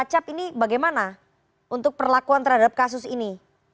cap ini bagaimana untuk perlakuan terhadap kasus ini